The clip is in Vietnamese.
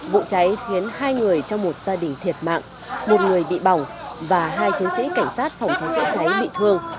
vụ cháy khiến hai người trong một gia đình thiệt mạng một người bị bỏng và hai chiến sĩ cảnh sát phòng cháy chữa cháy bị thương